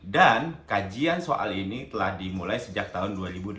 dan kajian soal ini telah dimulai sejak tahun dua ribu delapan belas